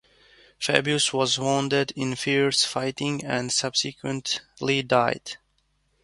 Fabius was wounded in fierce fighting, and subsequently died.